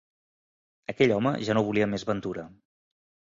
Aquell home ja no volia més ventura.